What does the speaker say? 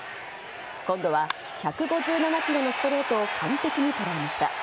今度は１５７キロのストレートを完璧に捉えました。